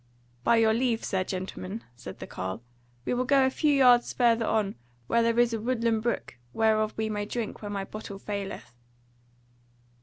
"By your leave, Sir Gentleman," said the carle, "we will go a few yards further on, where there is a woodland brook, whereof we may drink when my bottle faileth."